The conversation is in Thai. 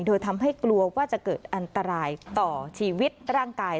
โดยทำให้กลัวว่าจะเกิดอันตรายต่อชีวิตร่างกาย